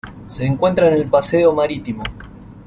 Se encuentra en el Paseo Marítimo.